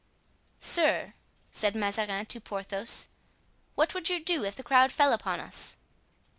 "Sir," said Mazarin to Porthos, "what would you do if the crowd fell upon us?"